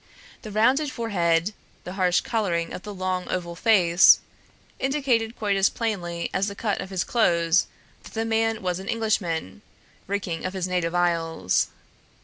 The rounded forehead, the harsh coloring of the long oval face, indicated quite as plainly as the cut of his clothes that the man was an Englishman, reeking of his native isles.